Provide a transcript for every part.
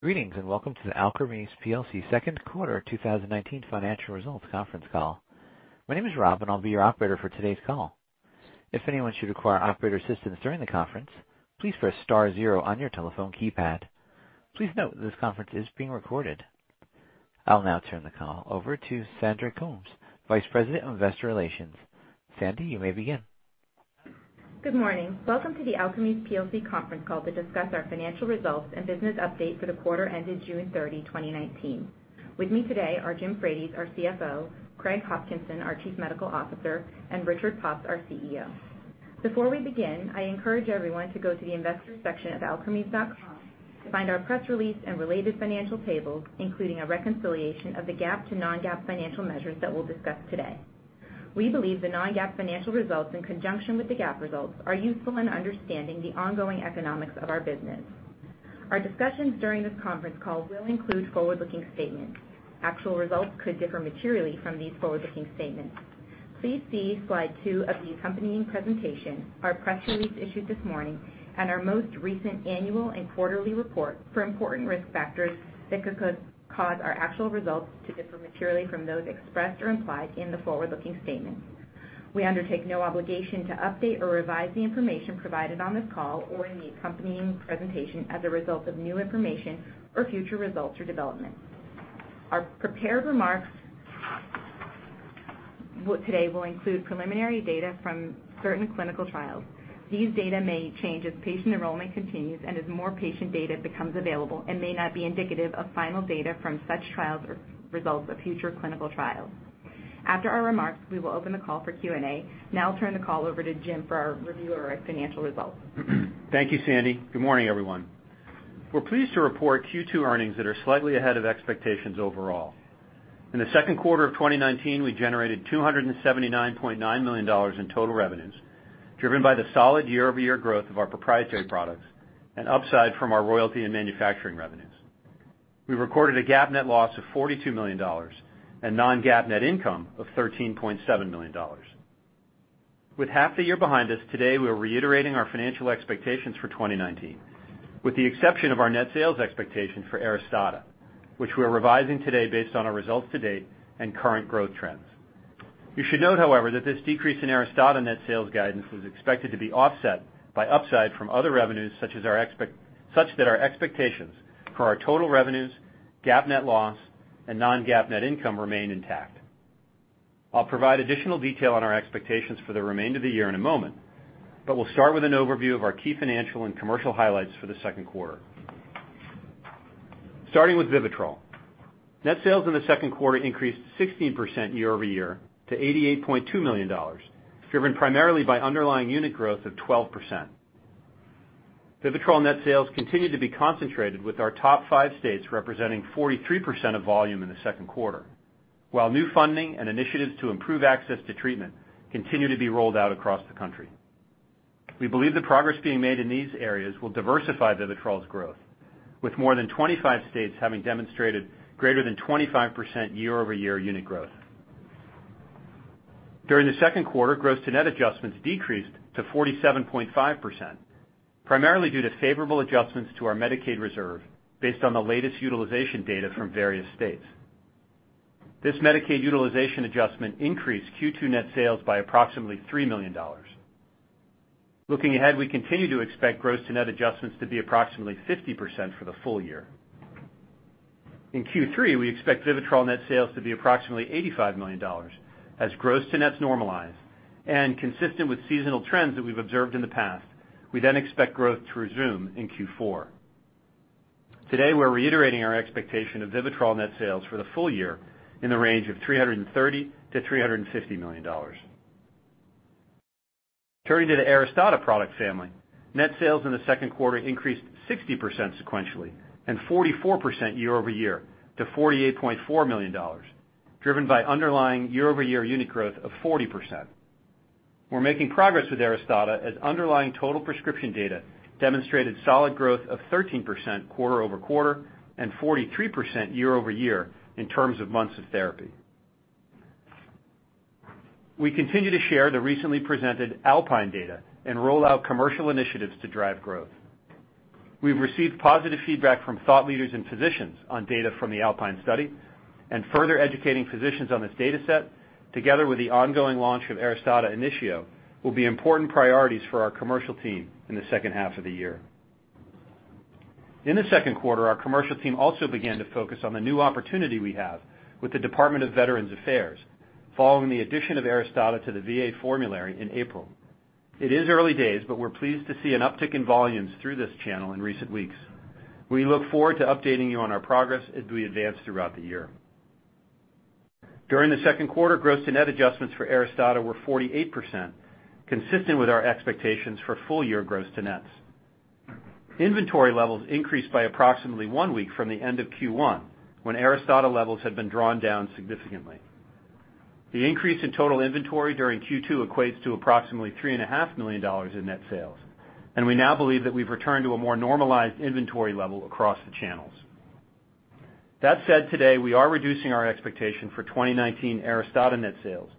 Greetings, and welcome to the Alkermes Plc second quarter 2019 financial results conference call. My name is Rob, and I'll be your operator for today's call. If anyone should require operator assistance during the conference, please press star zero on your telephone keypad. Please note this conference is being recorded. I'll now turn the call over to Sandy Coombs, Vice President of Investor Relations. Sandy, you may begin. Good morning. Welcome to the Alkermes plc conference call to discuss our financial results and business update for the quarter ended June 30, 2019. With me today are Jim Frates, our CFO, Craig Hopkinson, our Chief Medical Officer, and Richard Pops, our CEO. Before we begin, I encourage everyone to go to the investors section at alkermes.com to find our press release and related financial tables, including a reconciliation of the GAAP to non-GAAP financial measures that we'll discuss today. We believe the non-GAAP financial results, in conjunction with the GAAP results, are useful in understanding the ongoing economics of our business. Our discussions during this conference call will include forward-looking statements. Actual results could differ materially from these forward-looking statements. Please see slide two of the accompanying presentation, our press release issued this morning, and our most recent annual and quarterly report for important risk factors that could cause our actual results to differ materially from those expressed or implied in the forward-looking statements. We undertake no obligation to update or revise the information provided on this call or in the accompanying presentation as a result of new information or future results or developments. Our prepared remarks today will include preliminary data from certain clinical trials. These data may change as patient enrollment continues and as more patient data becomes available and may not be indicative of final data from such trials or results of future clinical trials. After our remarks, we will open the call for Q&A. Now I'll turn the call over to Jim for our review of our financial results. Thank you, Sandy. Good morning, everyone. We're pleased to report Q2 earnings that are slightly ahead of expectations overall. In the second quarter of 2019, we generated $279.9 million in total revenues, driven by the solid year-over-year growth of our proprietary products and upside from our royalty and manufacturing revenues. We recorded a GAAP net loss of $42 million and non-GAAP net income of $13.7 million. With half the year behind us, today we are reiterating our financial expectations for 2019, with the exception of our net sales expectation for ARISTADA, which we are revising today based on our results to date and current growth trends. You should note, however, that this decrease in ARISTADA net sales guidance was expected to be offset by upside from other revenues such that our expectations for our total revenues, GAAP net loss, and non-GAAP net income remain intact. I'll provide additional detail on our expectations for the remainder of the year in a moment, but we'll start with an overview of our key financial and commercial highlights for the second quarter. Starting with VIVITROL. Net sales in the second quarter increased 16% year-over-year to $88.2 million, driven primarily by underlying unit growth of 12%. VIVITROL net sales continued to be concentrated, with our top five states representing 43% of volume in the second quarter, while new funding and initiatives to improve access to treatment continue to be rolled out across the country. We believe the progress being made in these areas will diversify VIVITROL's growth, with more than 25 states having demonstrated greater than 25% year-over-year unit growth. During the second quarter, gross to net adjustments decreased to 47.5%, primarily due to favorable adjustments to our Medicaid reserve based on the latest utilization data from various states. This Medicaid utilization adjustment increased Q2 net sales by approximately $3 million. Looking ahead, we continue to expect gross to net adjustments to be approximately 50% for the full year. In Q3, we expect VIVITROL net sales to be approximately $85 million as gross to nets normalize and consistent with seasonal trends that we've observed in the past. We expect growth to resume in Q4. Today, we're reiterating our expectation of VIVITROL net sales for the full year in the range of $330 million-$350 million. Turning to the ARISTADA product family, net sales in the second quarter increased 60% sequentially and 44% year-over-year to $48.4 million, driven by underlying year-over-year unit growth of 40%. We're making progress with ARISTADA as underlying total prescription data demonstrated solid growth of 13% quarter-over-quarter and 43% year-over-year in terms of months of therapy. We continue to share the recently presented ALPINE data and roll out commercial initiatives to drive growth. We've received positive feedback from thought leaders and physicians on data from the ALPINE study and further educating physicians on this data set, together with the ongoing launch of ARISTADA Initio, will be important priorities for our commercial team in the second half of the year. In the second quarter, our commercial team also began to focus on the new opportunity we have with the Department of Veterans Affairs following the addition of ARISTADA to the VA formulary in April. It is early days, but we're pleased to see an uptick in volumes through this channel in recent weeks. We look forward to updating you on our progress as we advance throughout the year. During the second quarter, gross to net adjustments for ARISTADA were 48%, consistent with our expectations for full year gross to nets. Inventory levels increased by approximately one week from the end of Q1, when ARISTADA levels had been drawn down significantly. The increase in total inventory during Q2 equates to approximately $3.5 million in net sales, and we now believe that we've returned to a more normalized inventory level across the channels. That said, today, we are reducing our expectation for 2019 ARISTADA net sales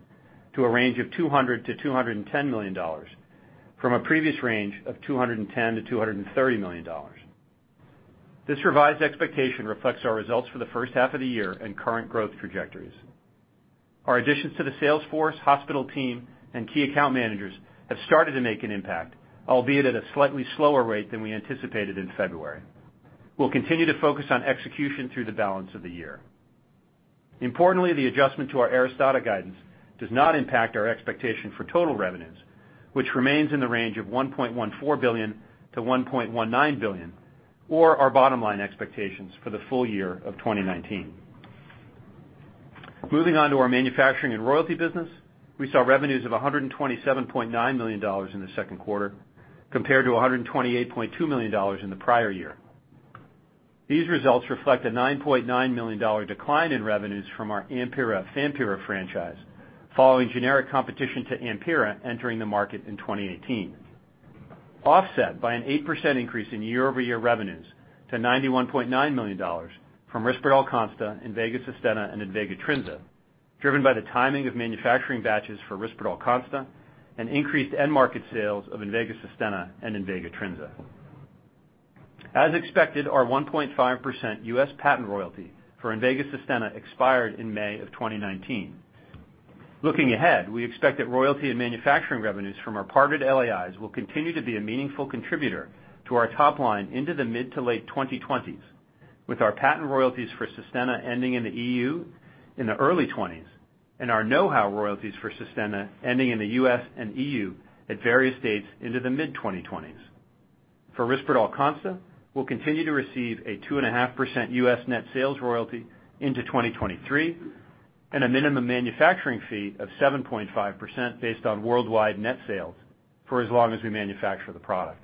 to a range of $200 million-$210 million, from a previous range of $210 million-$230 million. This revised expectation reflects our results for the first half of the year and current growth trajectories. Our additions to the sales force, hospital team, and key account managers have started to make an impact, albeit at a slightly slower rate than we anticipated in February. We'll continue to focus on execution through the balance of the year. Importantly, the adjustment to our ARISTADA guidance does not impact our expectation for total revenues, which remains in the range of $1.14 billion-$1.19 billion, or our bottom-line expectations for the full year of 2019. Moving on to our manufacturing and royalty business. We saw revenues of $127.9 million in the second quarter compared to $128.2 million in the prior year. These results reflect a $9.9 million decline in revenues from our AMPYRA, FAMPYRA franchise, following generic competition to AMPYRA entering the market in 2018. Offset by an 8% increase in year-over-year revenues to $91.9 million from RISPERDAL CONSTA, INVEGA SUSTENNA, and INVEGA TRINZA, driven by the timing of manufacturing batches for RISPERDAL CONSTA and increased end-market sales of INVEGA SUSTENNA and INVEGA TRINZA. As expected, our 1.5% U.S. patent royalty for INVEGA SUSTENNA expired in May of 2019. Looking ahead, we expect that royalty and manufacturing revenues from our partnered LAIs will continue to be a meaningful contributor to our top line into the mid to late 2020s, with our patent royalties for SUSTENNA ending in the EU in the early 2020s, and our know-how royalties for SUSTENNA ending in the U.S. and EU at various dates into the mid-2020s. For RISPERDAL CONSTA, we'll continue to receive a 2.5% U.S. net sales royalty into 2023, and a minimum manufacturing fee of 7.5% based on worldwide net sales for as long as we manufacture the product.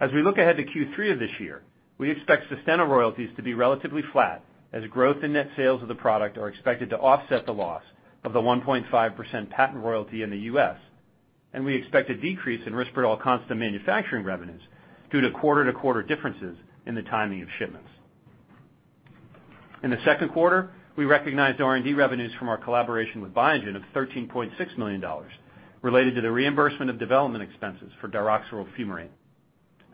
As we look ahead to Q3 of this year, we expect SUSTENNA royalties to be relatively flat as growth in net sales of the product are expected to offset the loss of the 1.5% patent royalty in the U.S., and we expect a decrease in RISPERDAL CONSTA manufacturing revenues due to quarter-to-quarter differences in the timing of shipments. In the second quarter, we recognized R&D revenues from our collaboration with Biogen of $13.6 million related to the reimbursement of development expenses for diroximel fumarate.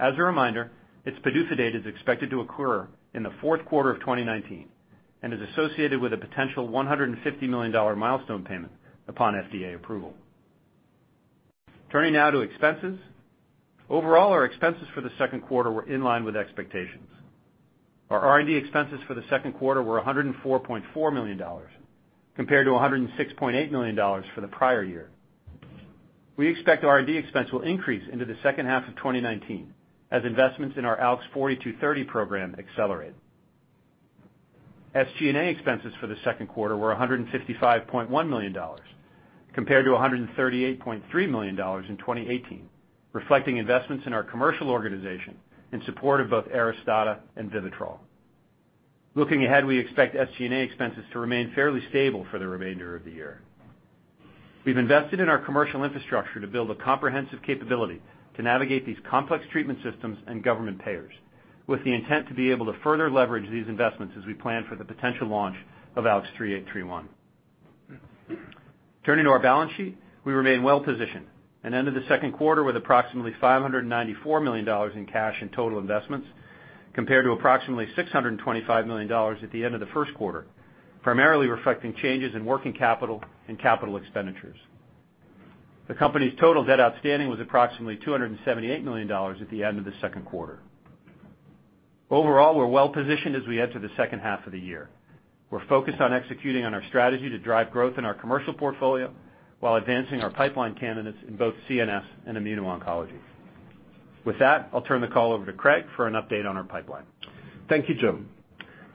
As a reminder, its PDUFA date is expected to occur in the fourth quarter of 2019 and is associated with a potential $150 million milestone payment upon FDA approval. Turning now to expenses. Overall, our expenses for the second quarter were in line with expectations. Our R&D expenses for the second quarter were $104.4 million compared to $106.8 million for the prior year. We expect R&D expense will increase into the second half of 2019 as investments in our ALKS 4230 program accelerate. SG&A expenses for the second quarter were $155.1 million compared to $138.3 million in 2018, reflecting investments in our commercial organization in support of both ARISTADA and VIVITROL. Looking ahead, we expect SG&A expenses to remain fairly stable for the remainder of the year. We've invested in our commercial infrastructure to build a comprehensive capability to navigate these complex treatment systems and government payers with the intent to be able to further leverage these investments as we plan for the potential launch of ALKS 3831. Turning to our balance sheet. We remain well-positioned and ended the second quarter with approximately $594 million in cash and total investments, compared to approximately $625 million at the end of the first quarter, primarily reflecting changes in working capital and capital expenditures. The company's total debt outstanding was approximately $278 million at the end of the second quarter. Overall, we're well-positioned as we enter the second half of the year. We're focused on executing on our strategy to drive growth in our commercial portfolio while advancing our pipeline candidates in both CNS and immuno-oncology. With that, I'll turn the call over to Craig for an update on our pipeline. Thank you, Jim.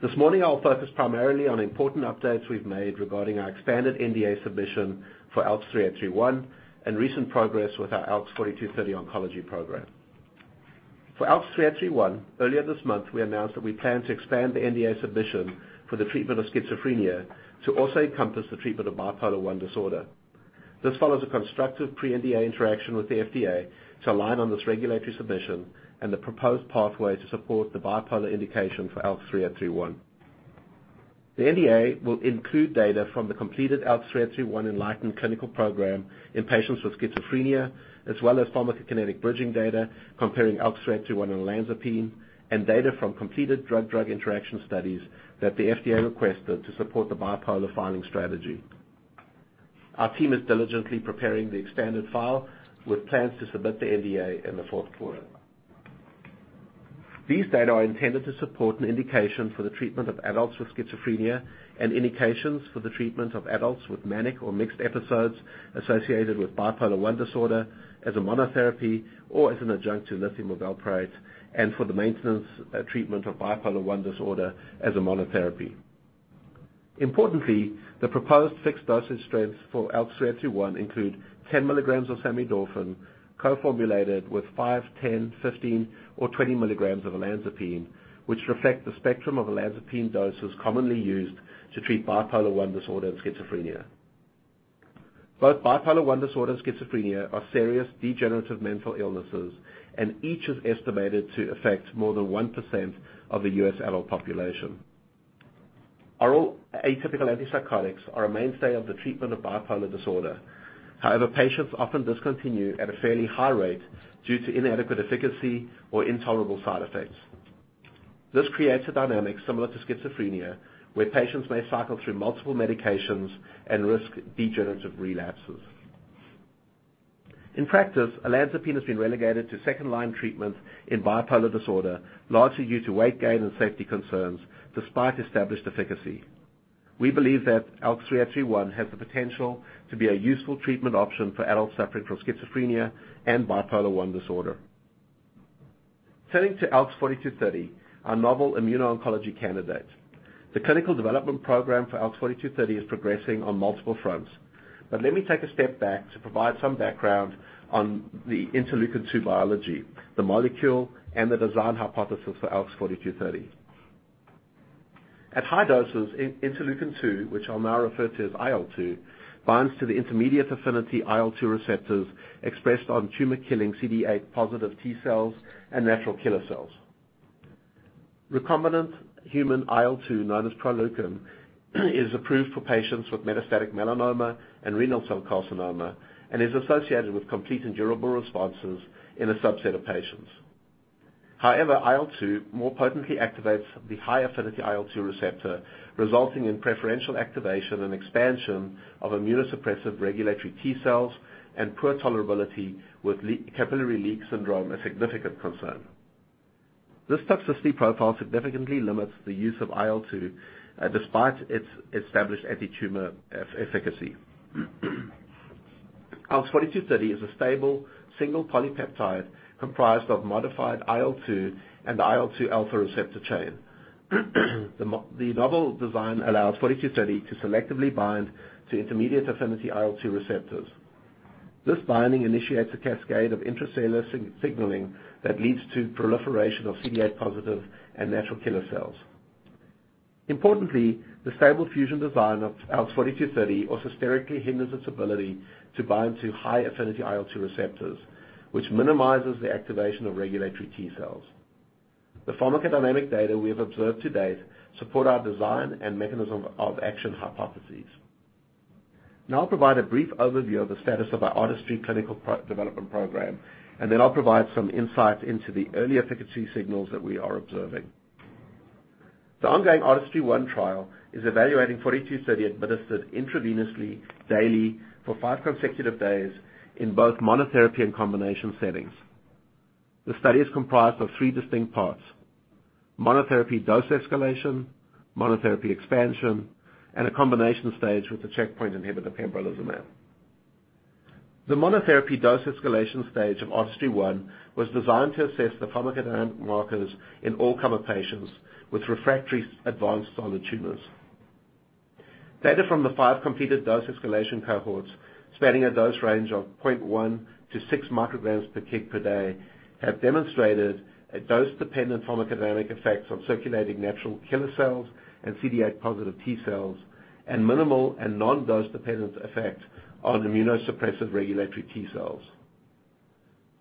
This morning, I'll focus primarily on important updates we've made regarding our expanded NDA submission for ALKS 3831 and recent progress with our ALKS 4230 oncology program. For ALKS 3831, earlier this month, we announced that we plan to expand the NDA submission for the treatment of schizophrenia to also encompass the treatment of bipolar I disorder. This follows a constructive pre-NDA interaction with the FDA to align on this regulatory submission and the proposed pathway to support the bipolar indication for ALKS 3831. The NDA will include data from the completed ALKS 3831 ENLIGHTEN clinical program in patients with schizophrenia, as well as pharmacokinetic bridging data comparing ALKS 3831 and olanzapine and data from completed drug-drug interaction studies that the FDA requested to support the bipolar filing strategy. Our team is diligently preparing the expanded file with plans to submit the NDA in the fourth quarter. These data are intended to support an indication for the treatment of adults with schizophrenia and indications for the treatment of adults with manic or mixed episodes associated with bipolar I disorder as a monotherapy or as an adjunct to lithium or valproate, and for the maintenance treatment of bipolar I disorder as a monotherapy. Importantly, the proposed fixed dosage strengths for ALKS 3831 include 10 mg of samidorphan co-formulated with 5 mg, 10 mg, 15 mg, or 20 mg of olanzapine, which reflect the spectrum of olanzapine doses commonly used to treat bipolar I disorder and schizophrenia. Both bipolar I disorder and schizophrenia are serious degenerative mental illnesses, each is estimated to affect more than 1% of the U.S. adult population. Atypical antipsychotics are a mainstay of the treatment of bipolar disorder. However, patients often discontinue at a fairly high rate due to inadequate efficacy or intolerable side effects. This creates a dynamic similar to schizophrenia, where patients may cycle through multiple medications and risk degenerative relapses. In practice, olanzapine has been relegated to second-line treatment in bipolar disorder, largely due to weight gain and safety concerns despite established efficacy. We believe that ALKS 3831 has the potential to be a useful treatment option for adults suffering from schizophrenia and bipolar I disorder. Turning to ALKS 4230, our novel immuno-oncology candidate. Let me take a step back to provide some background on the interleukin-2 biology, the molecule, and the design hypothesis for ALKS 4230. At high doses, interleukin-2, which I'll now refer to as IL-2, binds to the intermediate affinity IL-2 receptors expressed on tumor-killing CD8 positive T cells and natural killer cells. Recombinant human IL-2, known as Proleukin, is approved for patients with metastatic melanoma and renal cell carcinoma and is associated with complete and durable responses in a subset of patients. IL-2 more potently activates the high affinity IL-2 receptor, resulting in preferential activation and expansion of immunosuppressive regulatory T cells and poor tolerability, with capillary leak syndrome a significant concern. This toxicity profile significantly limits the use of IL-2, despite its established antitumor efficacy. ALKS 4230 is a stable single polypeptide comprised of modified IL-2 and the IL-2 receptor alpha chain. The novel design allows 4230 to selectively bind to intermediate affinity IL-2 receptors. This binding initiates a cascade of intracellular signaling that leads to proliferation of CD8 positive and natural killer cells. The stable fusion design of ALKS 4230 also sterically hinders its ability to bind to high affinity IL-2 receptors, which minimizes the activation of regulatory T cells. The pharmacodynamic data we have observed to date support our design and mechanism of action hypotheses. Now I'll provide a brief overview of the status of our ARTISTRY clinical development program, and then I'll provide some insight into the early efficacy signals that we are observing. The ongoing ARTISTRY-01 trial is evaluating ALKS 4230 administered intravenously daily for five consecutive days in both monotherapy and combination settings. The study is comprised of three distinct parts: monotherapy dose escalation, monotherapy expansion, and a combination stage with the checkpoint inhibitor pembrolizumab. The monotherapy dose escalation stage of ARTISTRY-01 was designed to assess the pharmacodynamic markers in all comer patients with refractory advanced solid tumors. Data from the five completed dose escalation cohorts, spanning a dose range of 0.1-6 mcg/kg/day, have demonstrated a dose-dependent pharmacodynamic effect on circulating natural killer cells and CD8 positive T cells and minimal and non-dose dependent effect on immunosuppressive regulatory T cells.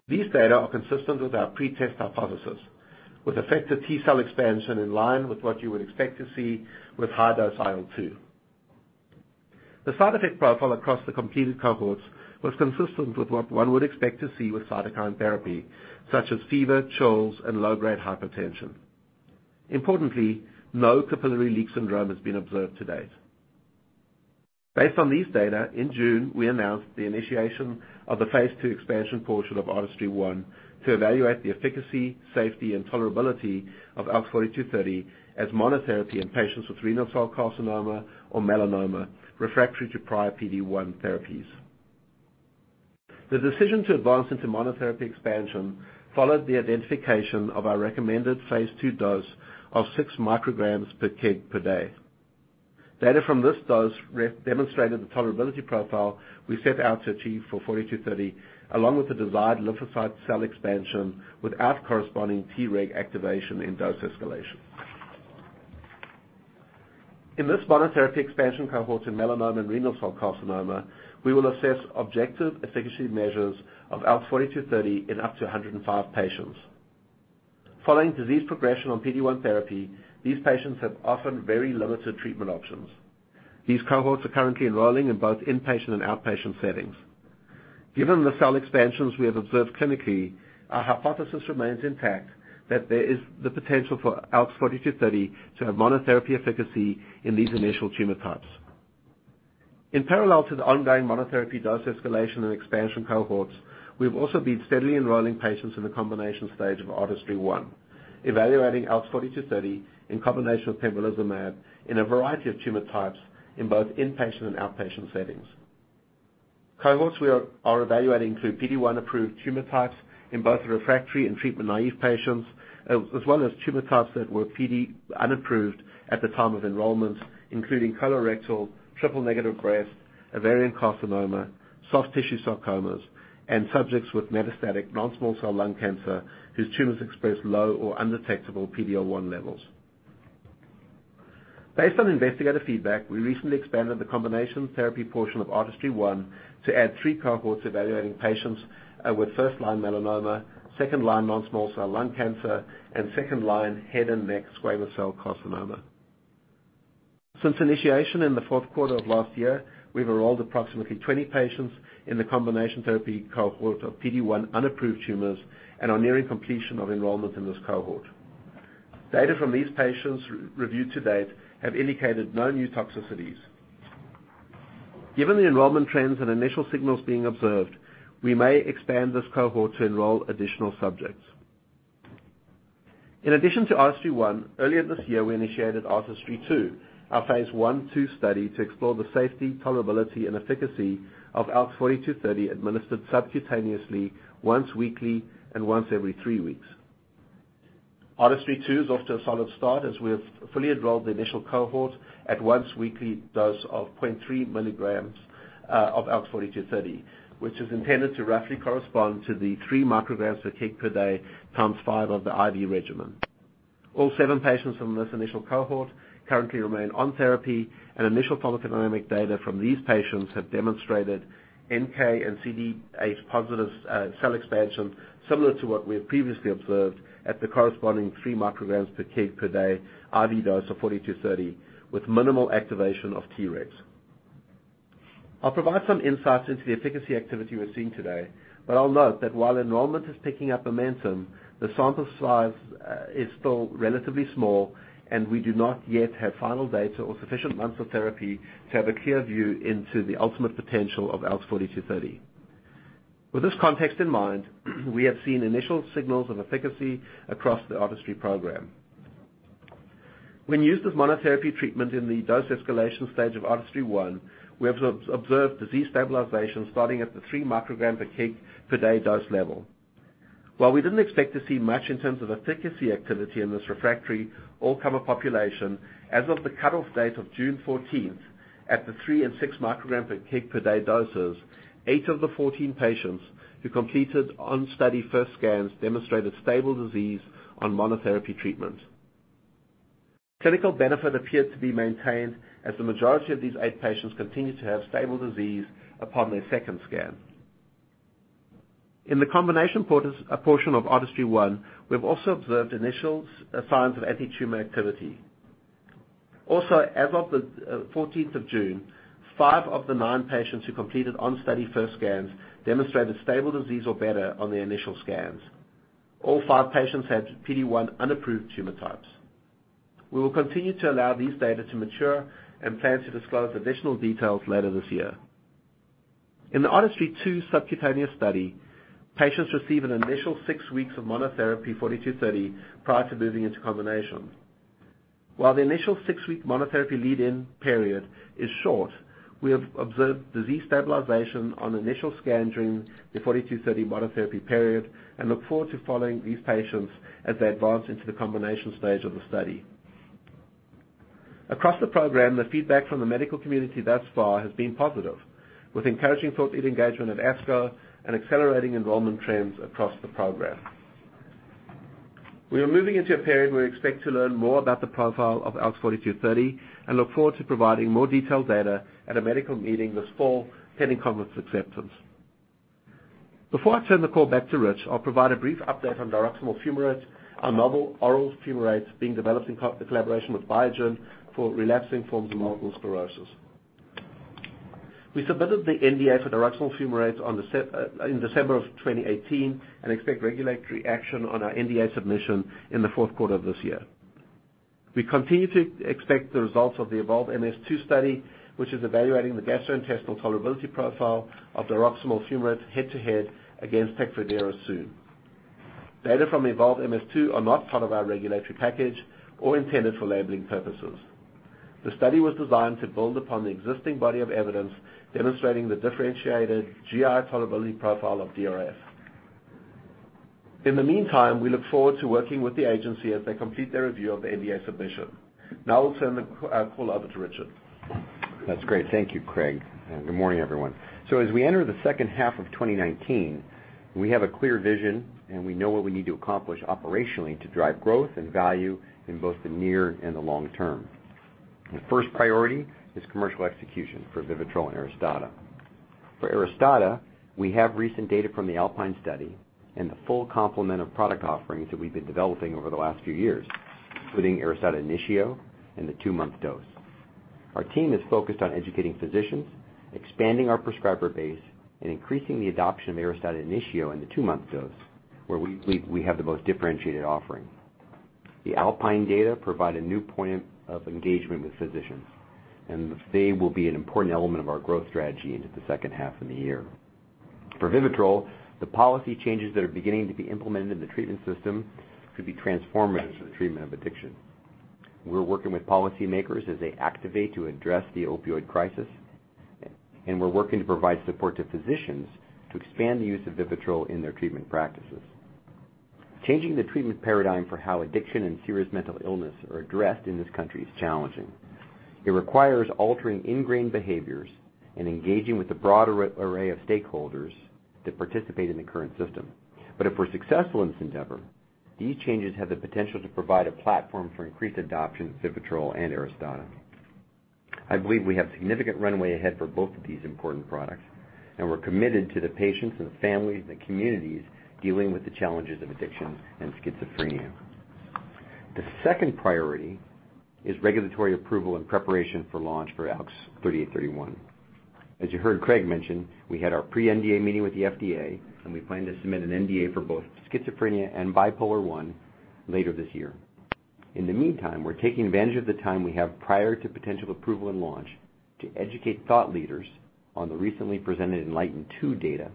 These data are consistent with our pretest hypothesis, with effective T cell expansion in line with what you would expect to see with high-dose IL-2. The side effect profile across the completed cohorts was consistent with what one would expect to see with cytokine therapy, such as fever, chills, and low-grade hypertension. Importantly, no capillary leak syndrome has been observed to date. Based on these data, in June, we announced the initiation of the phase II expansion portion of ARTISTRY-1 to evaluate the efficacy, safety, and tolerability of ALKS 4230 as monotherapy in patients with renal cell carcinoma or melanoma refractory to prior PD-1 therapies. The decision to advance into monotherapy expansion followed the identification of our recommended phase II dose of 6 mcg/kg/day. Data from this dose demonstrated the tolerability profile we set out to achieve for ALKS 4230, along with the desired lymphocyte cell expansion without corresponding Tregs activation in dose escalation. In this monotherapy expansion cohort in melanoma and renal cell carcinoma, we will assess objective efficacy measures of ALKS 4230 in up to 105 patients. Following disease progression on PD-1 therapy, these patients have often very limited treatment options. These cohorts are currently enrolling in both inpatient and outpatient settings. Given the cell expansions we have observed clinically, our hypothesis remains intact that there is the potential for ALKS 4230 to have monotherapy efficacy in these initial tumor types. In parallel to the ongoing monotherapy dose escalation and expansion cohorts, we've also been steadily enrolling patients in the combination stage of ARTISTRY-1, evaluating ALKS 4230 in combination with pembrolizumab in a variety of tumor types in both inpatient and outpatient settings. Cohorts we are evaluating include PD-1 approved tumor types in both refractory and treatment-naive patients, as well as tumor types that were PD unapproved at the time of enrollment, including colorectal, triple-negative breast, ovarian carcinoma, soft tissue sarcomas, and subjects with metastatic non-small cell lung cancer whose tumors express low or undetectable PD-L1 levels. Based on investigative feedback, we recently expanded the combination therapy portion of ARTISTRY-1 to add three cohorts evaluating patients, with first-line melanoma, second-line non-small cell lung cancer, and second-line head and neck squamous cell carcinoma. Since initiation in the fourth quarter of last year, we've enrolled approximately 20 patients in the combination therapy cohort of PD-1 unapproved tumors and are nearing completion of enrollment in this cohort. Data from these patients reviewed to date have indicated no new toxicities. Given the enrollment trends and initial signals being observed, we may expand this cohort to enroll additional subjects. In addition to ARTISTRY-1, earlier this year, we initiated ARTISTRY-2, our phase I/II study to explore the safety, tolerability, and efficacy of ALKS 4230 administered subcutaneously once weekly and once every three weeks. ARTISTRY-2 is off to a solid start as we have fully enrolled the initial cohort at once-weekly dose of 0.3 mg of ALKS 4230, which is intended to roughly correspond to the 3 mcg/kg/day times five of the IV regimen. All seven patients from this initial cohort currently remain on therapy, and initial pharmacodynamic data from these patients have demonstrated NK and CD8 positive cell expansion similar to what we have previously observed at the corresponding 3 mcg/kg/day IV dose of ALKS 4230 with minimal activation of Tregs. I'll provide some insights into the efficacy activity we're seeing today, but I'll note that while enrollment is picking up momentum, the sample size is still relatively small, and we do not yet have final data or sufficient months of therapy to have a clear view into the ultimate potential of ALKS 4230. With this context in mind, we have seen initial signals of efficacy across the ARTISTRY program. When used as monotherapy treatment in the dose escalation stage of ARTISTRY-1, we have observed disease stabilization starting at the 3 mcg/kg/day dose level. While we didn't expect to see much in terms of efficacy activity in this refractory all-comer population, as of the cutoff date of June 14th, at the 3 mcg/kg/day and 6 mcg/kg/day doses, eight of the 14 patients who completed on-study first scans demonstrated stable disease on monotherapy treatment. Clinical benefit appeared to be maintained as the majority of these eight patients continued to have stable disease upon their second scan. In the combination portion of ARTISTRY-1, we've also observed initial signs of anti-tumor activity. As of the 14th of June, five of the nine patients who completed on-study first scans demonstrated stable disease or better on their initial scans. All five patients had PD-1 unapproved tumor types. We will continue to allow these data to mature and plan to disclose additional details later this year. In the ARTISTRY-2 subcutaneous study, patients receive an initial six weeks of monotherapy ALKS 4230 prior to moving into combination. While the initial six-week monotherapy lead-in period is short, we have observed disease stabilization on initial scanning, the ALKS 4230 monotherapy period, and look forward to following these patients as they advance into the combination stage of the study. Across the program, the feedback from the medical community thus far has been positive, with encouraging thought lead engagement at ASCO and accelerating enrollment trends across the program. We are moving into a period where we expect to learn more about the profile of ALKS 4230 and look forward to providing more detailed data at a medical meeting this fall pending conference acceptance. Before I turn the call back to Rich, I'll provide a brief update on diroximel fumarate, a novel oral fumarate being developed in collaboration with Biogen for relapsing forms of multiple sclerosis. We submitted the NDA for diroximel fumarate in December of 2018 and expect regulatory action on our NDA submission in the fourth quarter of this year. We continue to expect the results of the EVOLVE-MS-2 study, which is evaluating the gastrointestinal tolerability profile of diroximel fumarate head-to-head against TECFIDERA soon. Data from EVOLVE-MS-2 are not part of our regulatory package or intended for labeling purposes. The study was designed to build upon the existing body of evidence demonstrating the differentiated GI tolerability profile of DRF. In the meantime, we look forward to working with the agency as they complete their review of the NDA submission. Now I'll turn the call over to Richard. That's great. Thank you, Craig. Good morning, everyone. As we enter the second half of 2019, we have a clear vision, and we know what we need to accomplish operationally to drive growth and value in both the near and the long term. The first priority is commercial execution for VIVITROL and ARISTADA. For ARISTADA, we have recent data from the ALPINE study and the full complement of product offerings that we've been developing over the last few years, including ARISTADA Initio and the two-month dose. Our team is focused on educating physicians, expanding our prescriber base, and increasing the adoption of ARISTADA Initio and the two-month dose, where we have the most differentiated offering. The ALPINE data provide a new point of engagement with physicians, and they will be an important element of our growth strategy into the second half of the year. For VIVITROL, the policy changes that are beginning to be implemented in the treatment system could be transformative for the treatment of addiction. We're working with policymakers as they activate to address the opioid crisis, and we're working to provide support to physicians to expand the use of VIVITROL in their treatment practices. Changing the treatment paradigm for how addiction and serious mental illness are addressed in this country is challenging. It requires altering ingrained behaviors and engaging with a broad array of stakeholders that participate in the current system. If we're successful in this endeavor, these changes have the potential to provide a platform for increased adoption of VIVITROL and ARISTADA. I believe we have significant runway ahead for both of these important products, and we're committed to the patients and the families and communities dealing with the challenges of addiction and schizophrenia. The second priority is regulatory approval and preparation for launch for ALKS 3831. As you heard Craig mention, we had our pre-NDA meeting with the FDA, and we plan to submit an NDA for both schizophrenia and bipolar I later this year. In the meantime, we're taking advantage of the time we have prior to potential approval and launch to educate thought leaders on the recently presented ENLIGHTEN-2 data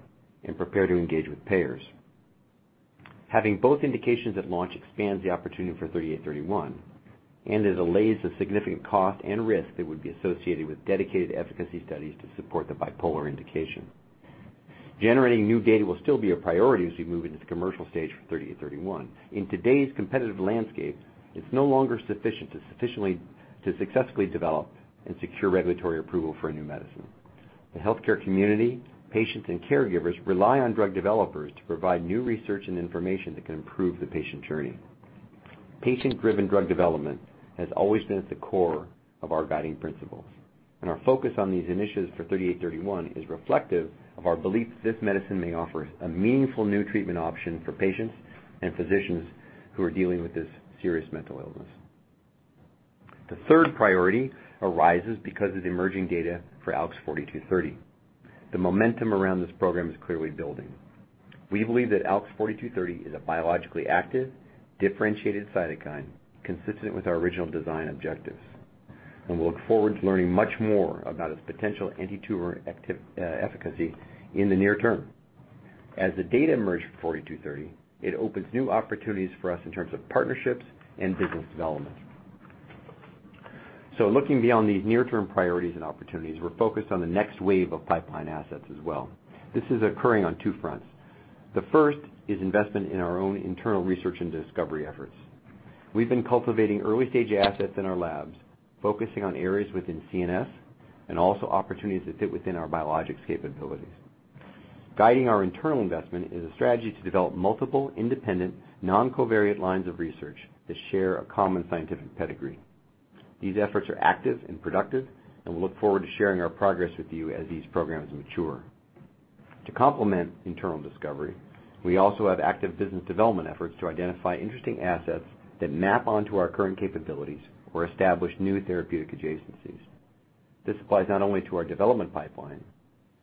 and prepare to engage with payers. Having both indications at launch expands the opportunity for ALKS 3831 and it allays the significant cost and risk that would be associated with dedicated efficacy studies to support the bipolar indication. Generating new data will still be a priority as we move into the commercial stage for ALKS 3831. In today's competitive landscape, it's no longer sufficient to successfully develop and secure regulatory approval for a new medicine. The healthcare community, patients, and caregivers rely on drug developers to provide new research and information that can improve the patient journey. Patient-driven drug development has always been at the core of our guiding principles. Our focus on these initiatives for ALKS 3831 is reflective of our belief that this medicine may offer a meaningful new treatment option for patients and physicians who are dealing with this serious mental illness. The third priority arises because of the emerging data for ALKS 4230. The momentum around this program is clearly building. We believe that ALKS 4230 is a biologically active, differentiated cytokine consistent with our original design objectives. We look forward to learning much more about its potential anti-tumor efficacy in the near term. As the data emerge for ALKS 4230, it opens new opportunities for us in terms of partnerships and business development. Looking beyond these near-term priorities and opportunities, we're focused on the next wave of pipeline assets as well. This is occurring on two fronts. The first is investment in our own internal research and discovery efforts. We've been cultivating early-stage assets in our labs, focusing on areas within CNS and also opportunities that fit within our biologics capabilities. Guiding our internal investment is a strategy to develop multiple, independent, non-covariate lines of research that share a common scientific pedigree. These efforts are active and productive, and we look forward to sharing our progress with you as these programs mature. To complement internal discovery, we also have active business development efforts to identify interesting assets that map onto our current capabilities or establish new therapeutic adjacencies. This applies not only to our development pipeline,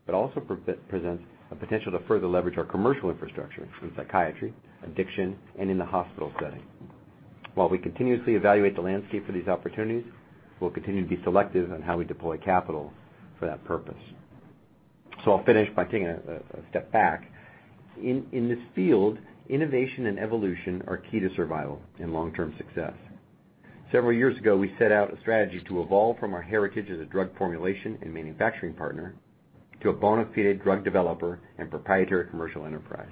but also presents a potential to further leverage our commercial infrastructure in psychiatry, addiction, and in the hospital setting. While we continuously evaluate the landscape for these opportunities, we'll continue to be selective in how we deploy capital for that purpose. I'll finish by taking a step back. In this field, innovation and evolution are key to survival and long-term success. Several years ago, we set out a strategy to evolve from our heritage as a drug formulation and manufacturing partner to a bona fide drug developer and proprietary commercial enterprise.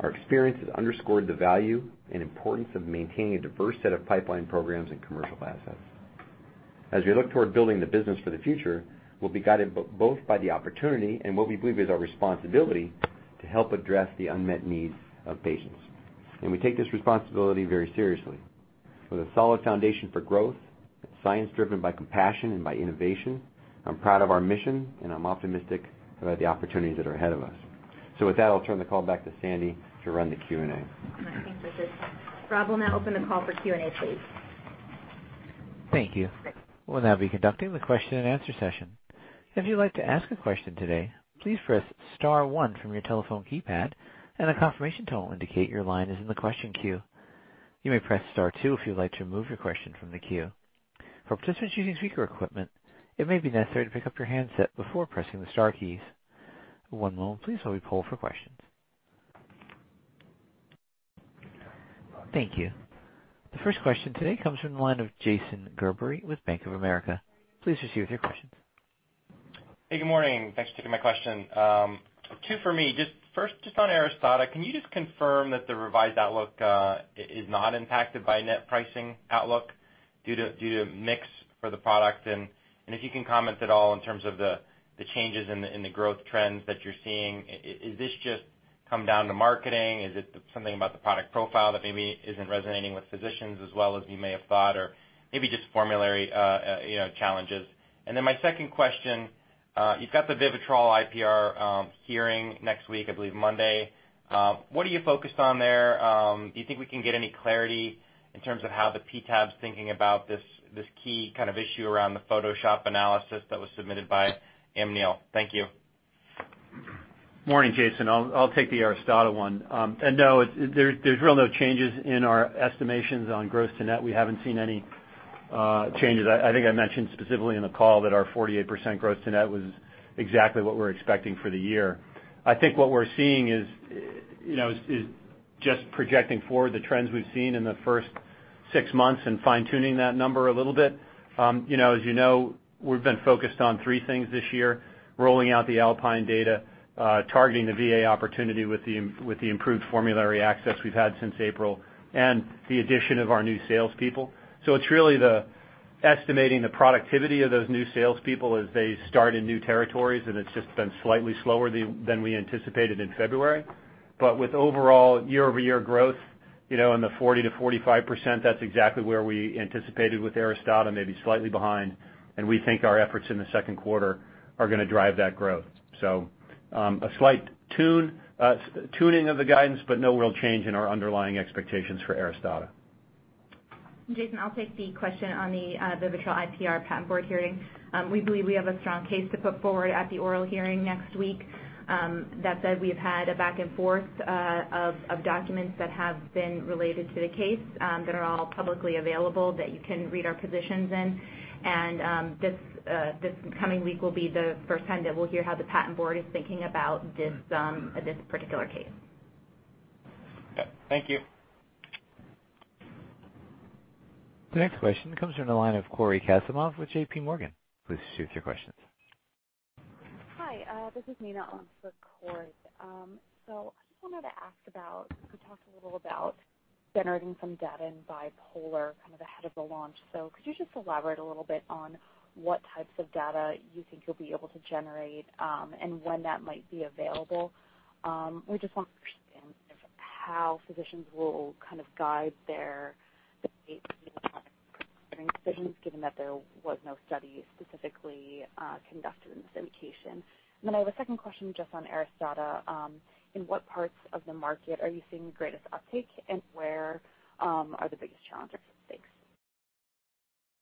Our experience has underscored the value and importance of maintaining a diverse set of pipeline programs and commercial assets. As we look toward building the business for the future, we'll be guided both by the opportunity and what we believe is our responsibility to help address the unmet needs of patients. We take this responsibility very seriously. With a solid foundation for growth, science driven by compassion and by innovation, I'm proud of our mission, and I'm optimistic about the opportunities that are ahead of us. With that, I'll turn the call back to Sandy to run the Q&A. Rob will now open the call for Q&A, please. Thank you. We'll now be conducting the question-and-answer session. If you'd like to ask a question today, please press star one from your telephone keypad, and a confirmation tone will indicate your line is in the question queue. You may press star one if you'd like to remove your question from the queue. For participants using speaker equipment, it may be necessary to pick up your handset before pressing the star keys. One moment please while we poll for questions. Thank you. The first question today comes from the line of Jason Gerberry with Bank of America. Please proceed with your questions. Good morning. Thanks for taking my question. Two for me. First, just on ARISTADA, can you just confirm that the revised outlook is not impacted by net pricing outlook due to mix for the product? If you can comment at all in terms of the changes in the growth trends that you're seeing. Is this just come down to marketing? Is it something about the product profile that maybe isn't resonating with physicians as well as you may have thought, or maybe just formulary challenges? My second question, you've got the VIVITROL IPR hearing next week, I believe Monday. What are you focused on there? Do you think we can get any clarity in terms of how the PTAB's thinking about this key kind of issue around the Photoshop analysis that was submitted by Amneal? Thank you. Morning, Jason. I'll take the ARISTADA one. No, there's really no changes in our estimations on gross to net. We haven't seen any changes. I think I mentioned specifically in the call that our 48% gross to net was exactly what we're expecting for the year. I think what we're seeing is just projecting forward the trends we've seen in the first six months and fine-tuning that number a little bit. As you know, we've been focused on three things this year, rolling out the ALPINE data, targeting the VA opportunity with the improved formulary access we've had since April, and the addition of our new salespeople. It's really the Estimating the productivity of those new salespeople as they start in new territories, it's just been slightly slower than we anticipated in February. With overall year-over-year growth in the 40%-45%, that's exactly where we anticipated with ARISTADA, maybe slightly behind, and we think our efforts in the second quarter are going to drive that growth. A slight tuning of the guidance, but no real change in our underlying expectations for ARISTADA. Jason, I'll take the question on the VIVITROL IPR patent board hearing. We believe we have a strong case to put forward at the oral hearing next week. That said, we have had a back and forth of documents that have been related to the case that are all publicly available that you can read our positions in. This coming week will be the first time that we'll hear how the patent board is thinking about this particular case. Okay. Thank you. The next question comes from the line of Cory Kasimov with JPMorgan. Please proceed with your questions. Hi, this is Nina on for Cory. I just wanted to ask, you talked a little about generating some data in bipolar ahead of the launch. Could you just elaborate a little bit on what types of data you think you'll be able to generate, and when that might be available? We just want to understand how physicians will guide their decisions, given that there was no study specifically conducted in this indication. I have a second question just on ARISTADA. In what parts of the market are you seeing the greatest uptake, and where are the biggest challenges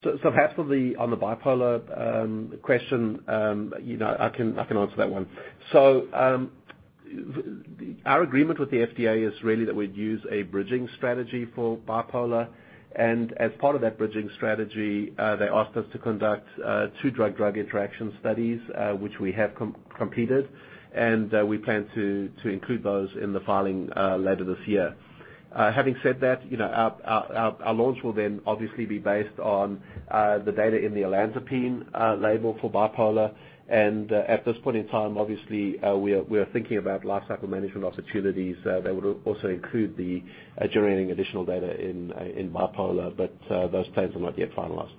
or stakes? Perhaps on the bipolar question, I can answer that one. Our agreement with the FDA is really that we'd use a bridging strategy for bipolar. As part of that bridging strategy, they asked us to conduct two drug-drug interaction studies, which we have completed, and we plan to include those in the filing later this year. Having said that, our launch will then obviously be based on the data in the olanzapine label for bipolar. At this point in time, obviously, we are thinking about life cycle management opportunities that would also include the generating additional data in bipolar, but those plans are not yet finalized.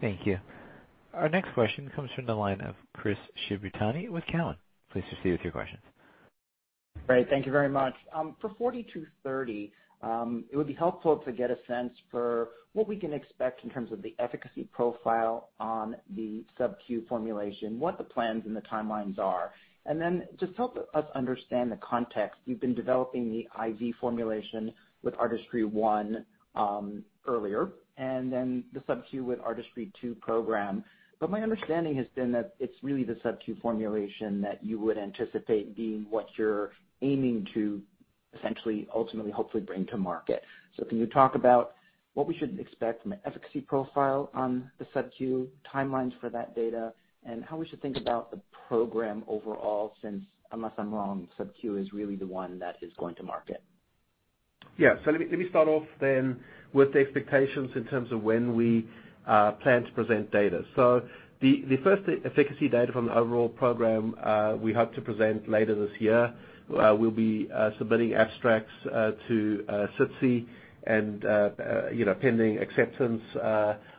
Thank you. Our next question comes from the line of Chris Shibutani with Cowen. Please proceed with your questions. Great. Thank you very much. For ALKS 4230, it would be helpful to get a sense for what we can expect in terms of the efficacy profile on the subQ formulation, what the plans and the timelines are. Just help us understand the context. You've been developing the IV formulation with ARTISTRY-1 earlier, then the subQ with ARTISTRY-2 program. My understanding has been that it's really the subQ formulation that you would anticipate being what you're aiming to essentially, ultimately, hopefully bring to market. Can you talk about what we should expect from an efficacy profile on the subQ timelines for that data, and how we should think about the program overall since, unless I'm wrong, subQ is really the one that is going to market. Yeah. Let me start off then with the expectations in terms of when we plan to present data. The first efficacy data from the overall program we hope to present later this year. We'll be submitting abstracts to SITC and pending acceptance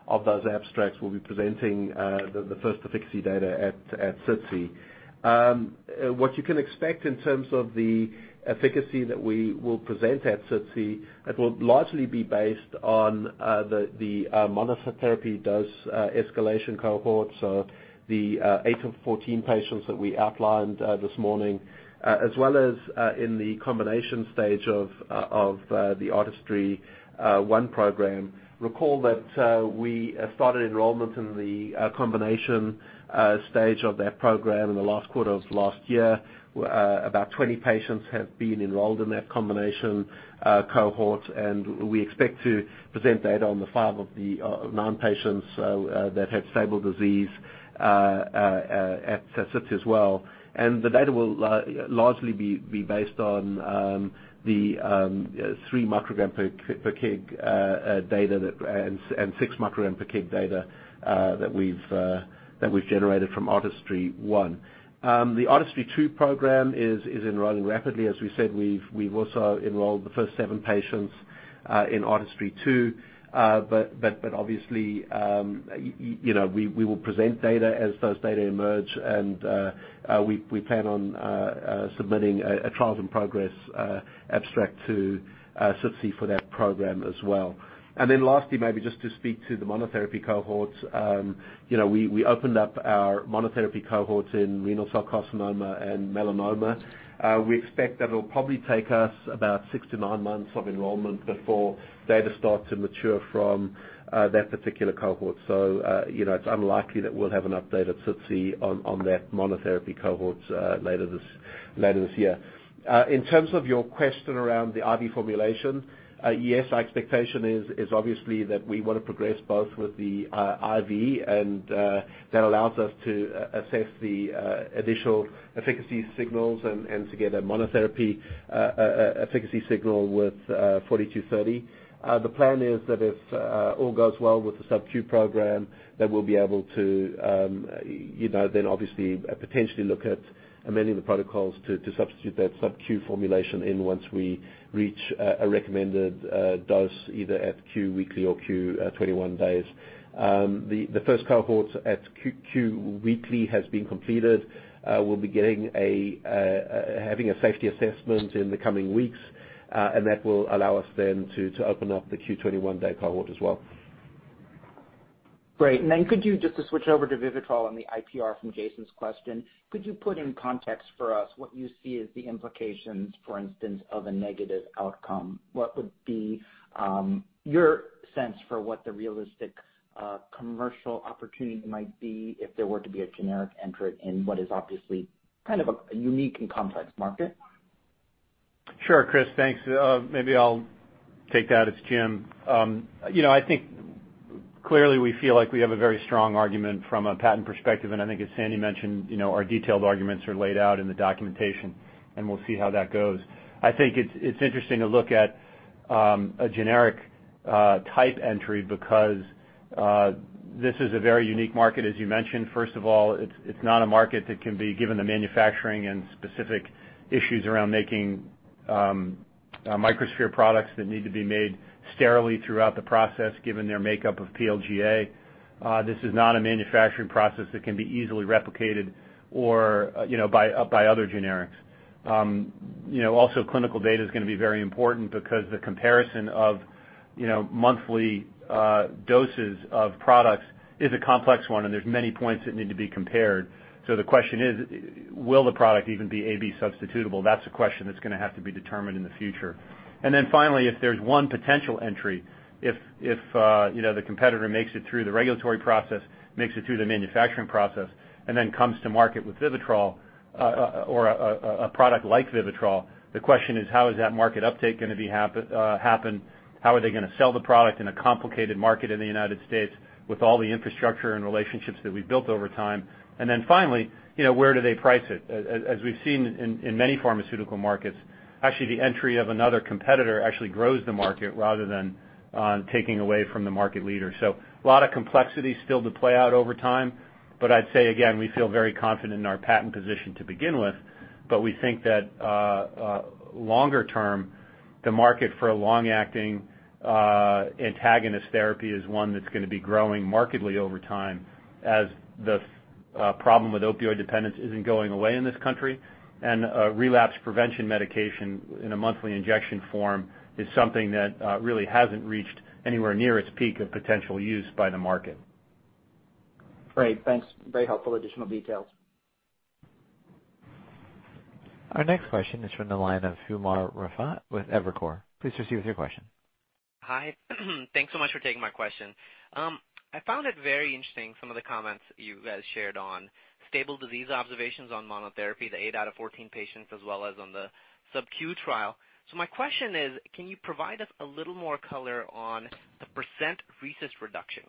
of those abstracts, we'll be presenting the first efficacy data at SITC. What you can expect in terms of the efficacy that we will present at SITC, it will largely be based on the monotherapy dose escalation cohort. The eight of 14 patients that we outlined this morning, as well as in the combination stage of the ARTISTRY-1 program. Recall that we started enrollment in the combination stage of that program in the last quarter of last year. About 20 patients have been enrolled in that combination cohort. We expect to present data on the five of the nine patients that have stable disease at SITC as well. The data will largely be based on the 3 mcg/kg data and 6 mcg/kg data that we've generated from ARTISTRY-1. The ARTISTRY-2 program is enrolling rapidly. As we said, we've also enrolled the first seven patients in ARTISTRY-2. Obviously, we will present data as those data emerge. We plan on submitting a trials and progress abstract to SITC for that program as well. Lastly, maybe just to speak to the monotherapy cohorts. We opened up our monotherapy cohorts in renal cell carcinoma and melanoma. We expect that it'll probably take us about six to nine months of enrollment before data start to mature from that particular cohort. It's unlikely that we'll have an update at SITC on that monotherapy cohort later this year. In terms of your question around the IV formulation, yes, our expectation is obviously that we want to progress both with the IV, that allows us to assess the additional efficacy signals and to get a monotherapy efficacy signal with ALKS 4230. The plan is that if all goes well with the subQ program, we'll be able to then obviously potentially look at amending the protocols to substitute that subQ formulation in once we reach a recommended dose, either at Q weekly or Q 21 days. The first cohort at Q weekly has been completed. We'll be having a safety assessment in the coming weeks. That will allow us then to open up the Q 21 day cohort as well. Great. Could you just switch over to VIVITROL and the IPR from Jason's question, could you put in context for us what you see as the implications, for instance, of a negative outcome? What would be your sense for what the realistic commercial opportunity might be if there were to be a generic entrant in what is obviously kind of a unique and complex market? Sure, Chris, thanks. Maybe I'll take that as Jim. I think clearly we feel like we have a very strong argument from a patent perspective, and I think as Sandy mentioned, our detailed arguments are laid out in the documentation, and we'll see how that goes. I think it's interesting to look at a generic type entry because this is a very unique market as you mentioned. First of all, it's not a market that can be given the manufacturing and specific issues around making microsphere products that need to be made sterily throughout the process, given their makeup of PLGA. This is not a manufacturing process that can be easily replicated by other generics. Also clinical data is going to be very important because the comparison of monthly doses of products is a complex one and there's many points that need to be compared. The question is, will the product even be AB substitutable? That's a question that's going to have to be determined in the future. Finally, if there's one potential entry, if the competitor makes it through the regulatory process, makes it through the manufacturing process, and then comes to market with VIVITROL or a product like VIVITROL, the question is, how is that market uptake going to happen? How are they going to sell the product in a complicated market in the United States with all the infrastructure and relationships that we've built over time? Finally, where do they price it? As we've seen in many pharmaceutical markets, actually the entry of another competitor actually grows the market rather than taking away from the market leader. A lot of complexity still to play out over time, but I'd say again, we feel very confident in our patent position to begin with, but we think that longer term, the market for a long-acting antagonist therapy is one that's going to be growing markedly over time as the problem with opioid dependence isn't going away in this country, and relapse prevention medication in a monthly injection form is something that really hasn't reached anywhere near its peak of potential use by the market. Great, thanks. Very helpful additional details. Our next question is from the line of Umer Raffat with Evercore. Please proceed with your question. Hi. Thanks so much for taking my question. I found it very interesting some of the comments you guys shared on stable disease observations on monotherapy, the eight out of 14 patients as well as on the subQ trial. My question is, can you provide us a little more color on the percent RECIST reduction?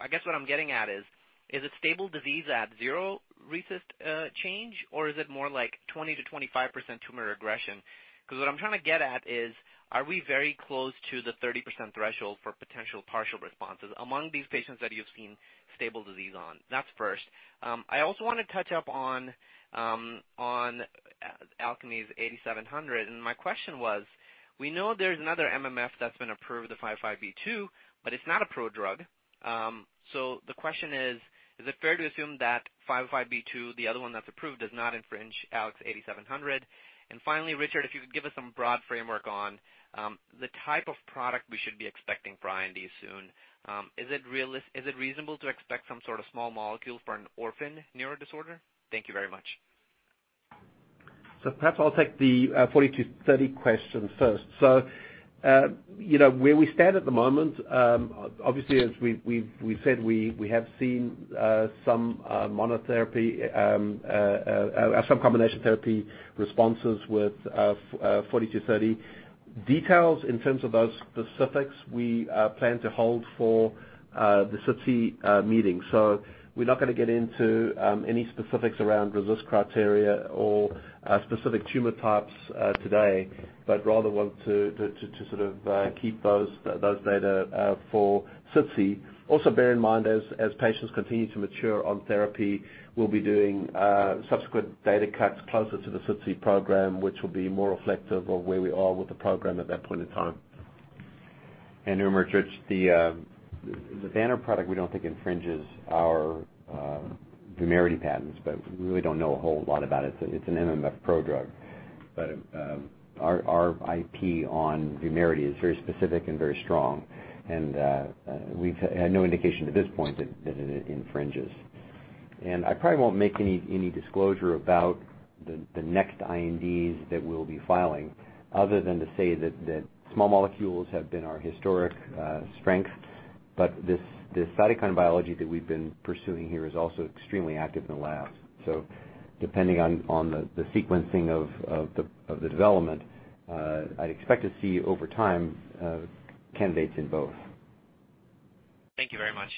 I guess what I'm getting at is it stable disease at 0% RECIST change or is it more like 20%-25% tumor regression? What I'm trying to get at is, are we very close to the 30% threshold for potential partial responses among these patients that you've seen stable disease on? That's first. I also want to touch up on Alkermes' 8700, and my question was, we know there's another MMF that's been approved, the 505(b)(2), but it's not a prodrug. The question is it fair to assume that 505(b)(2), the other one that's approved, does not infringe ALKS 8700? Finally, Richard, if you could give us some broad framework on the type of product we should be expecting for IND soon. Is it reasonable to expect some sort of small molecule for an orphan neuro disorder? Thank you very much. Perhaps I'll take the ALKS 4230 question first. Where we stand at the moment, obviously as we've said, we have seen some combination therapy responses with ALKS 4230. Details in terms of those specifics we plan to hold for the SITC meeting. We're not going to get into any specifics around RECIST criteria or specific tumor types today, but rather want to sort of keep those data for SITC. Also bear in mind as patients continue to mature on therapy, we'll be doing subsequent data cuts closer to the SITC program, which will be more reflective of where we are with the program at that point in time. Umer, it's Rich. The Banner product we don't think infringes our VUMERITY patents, but we really don't know a whole lot about it. It's an MMF prodrug. Our IP on VUMERITY is very specific and very strong, and we've had no indication to this point that it infringes. I probably won't make any disclosure about the next INDs that we'll be filing other than to say that small molecules have been our historic strength, but this cytokine biology that we've been pursuing here is also extremely active in the lab. Depending on the sequencing of the development, I'd expect to see over time candidates in both. Thank you very much.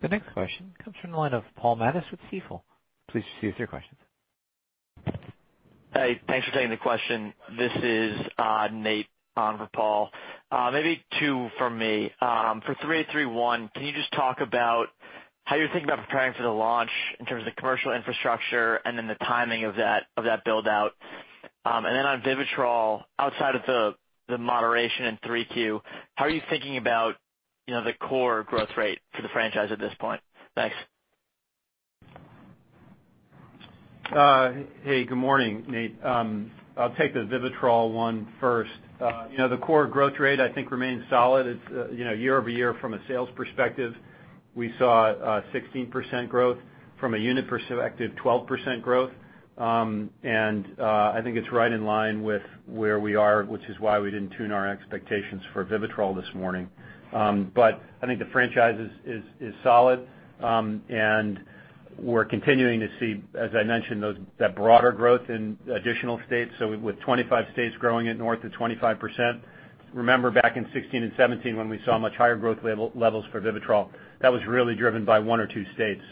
The next question comes from the line of Paul Matteis with Stifel. Please proceed with your questions. Hey, thanks for taking the question. This is Nate on for Paul. Maybe two from me. For ALKS 3831, can you just talk about how you're thinking about preparing for the launch in terms of the commercial infrastructure and then the timing of that build-out? On VIVITROL, outside of the moderation in 3Q, how are you thinking about the core growth rate for the franchise at this point? Thanks. Hey, good morning, Nate. I'll take the VIVITROL one first. The core growth rate, I think remains solid. Year-over-year from a sales perspective, we saw a 16% growth. From a unit perspective, 12% growth. I think it's right in line with where we are, which is why we didn't tune our expectations for VIVITROL this morning. I think the franchise is solid. We're continuing to see, as I mentioned, that broader growth in additional states. With 25 states growing at north of 25%. Remember back in 2016 and 2017, when we saw much higher growth levels for VIVITROL, that was really driven by one or two states.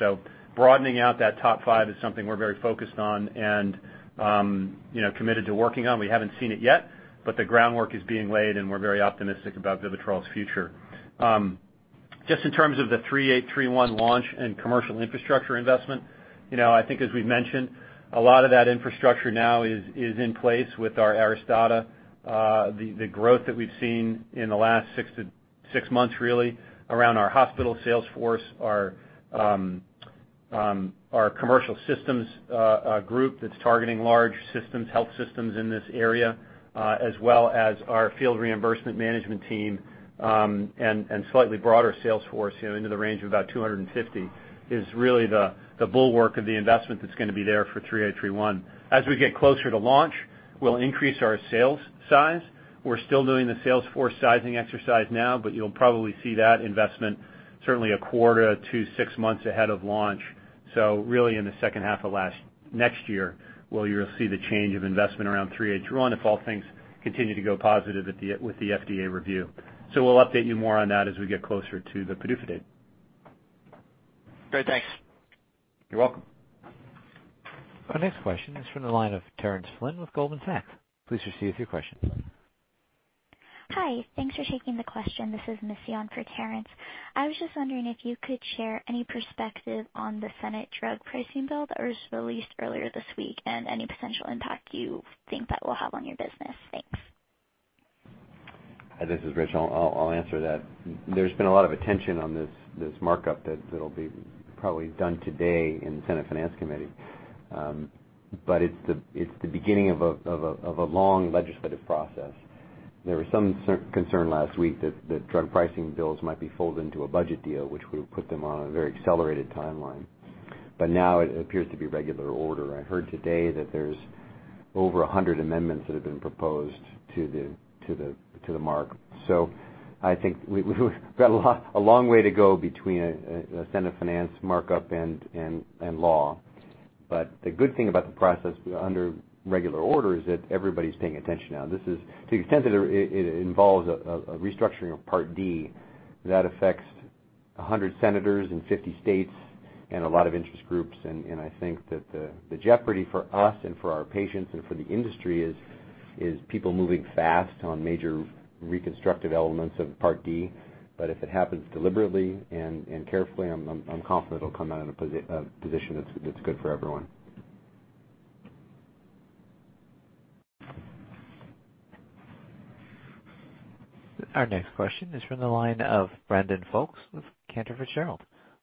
Broadening out that top five is something we're very focused on and committed to working on. We haven't seen it yet, but the groundwork is being laid, and we're very optimistic about VIVITROL's future. Just in terms of the ALKS 3831 launch and commercial infrastructure investment, I think as we've mentioned, a lot of that infrastructure now is in place with our ARISTADA. The growth that we've seen in the last six months really around our hospital sales force, our commercial systems group that's targeting large health systems in this area, as well as our field reimbursement management team, slightly broader sales force into the range of about 250, is really the bulwark of the investment that's going to be there for ALKS 3831. As we get closer to launch, we'll increase our sales size. We're still doing the sales force sizing exercise now, you'll probably see that investment certainly a quarter to six months ahead of launch. Really in the second half of next year, where you'll see the change of investment around ALKS 3831 if all things continue to go positive with the FDA review. We'll update you more on that as we get closer to the PDUFA date. Great. Thanks. You're welcome. Our next question is from the line of Terence Flynn with Goldman Sachs. Please proceed with your question. Hi. Thanks for taking the question. This is Missy on for Terence. I was just wondering if you could share any perspective on the Senate drug pricing bill that was released earlier this week and any potential impact you think that will have on your business. Thanks. This is Rich. I'll answer that. There's been a lot of attention on this markup that'll be probably done today in the Senate Finance Committee. It's the beginning of a long legislative process. There was some concern last week that drug pricing bills might be folded into a budget deal, which would put them on a very accelerated timeline. Now it appears to be regular order. I heard today that there's over 100 amendments that have been proposed to the mark. I think we've got a long way to go between a Senate Finance markup and law. The good thing about the process under regular order is that everybody's paying attention now. To the extent that it involves a restructuring of Part D, that affects 100 senators and 50 states and a lot of interest groups. I think that the jeopardy for us and for our patients and for the industry is people moving fast on major reconstructive elements of Part D. If it happens deliberately and carefully, I'm confident it'll come out in a position that's good for everyone. Our next question is from the line of Brandon Folkes with Cantor Fitzgerald.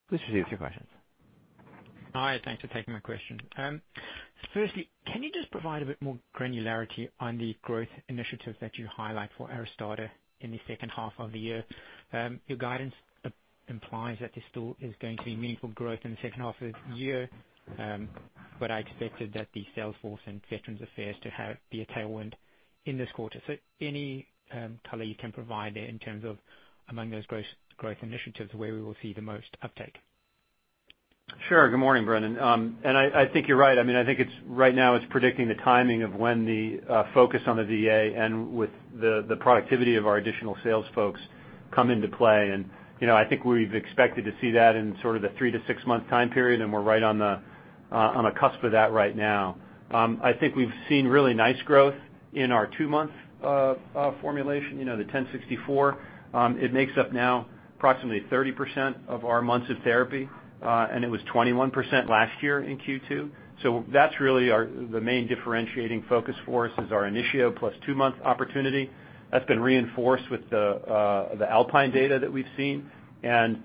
Please proceed with your questions. Hi, thanks for taking my question. Can you just provide a bit more granularity on the growth initiatives that you highlight for ARISTADA in the second half of the year? Your guidance implies that there still is going to be meaningful growth in the second half of the year. I expected that the sales force and Veterans Affairs to be a tailwind in this quarter. Any color you can provide there in terms of among those growth initiatives where we will see the most uptake? Sure. Good morning, Brandon. I think you're right. I think right now it's predicting the timing of when the focus on the VA and with the productivity of our additional sales folks come into play. I think we've expected to see that in sort of the three to six month time period, and we're right on the cusp of that right now. I think we've seen really nice growth in our two-month formulation, the 1064. It makes up now approximately 30% of our months of therapy. It was 21% last year in Q2. That's really the main differentiating focus for us is our Initio plus two-month opportunity. That's been reinforced with the ALPINE data that we've seen and